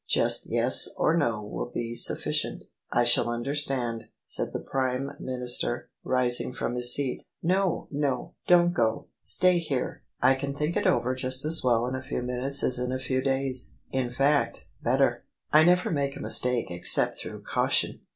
Just Yes or No will be sufHcient: I shall understand/' said the Prime Minister, rising from his seat. " No, no: don't go: stay here. I can think it over just as well in a few minutes as in a few da3rs — in fact, better. I never make a mistake except through caution."